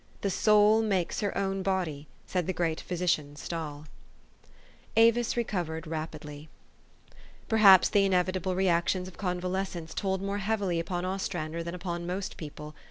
" The soul makes her own body," said the great physician Stahl. 33.2 THE STORY OF AVIS. Avis recovered rapidly. Perhaps the inevitable re actions of convalescence told more heavily upon Ostrander than upon most people.